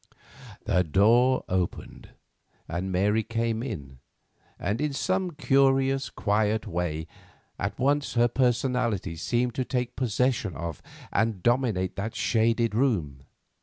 The door opened, Mary came in, and, in some curious quiet way, at once her personality seemed to take possession of and dominate that shaded room.